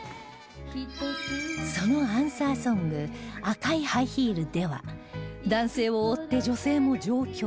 そのアンサーソング『赤いハイヒール』では男性を追って女性も上京